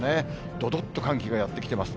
どどっと寒気がやって来てます。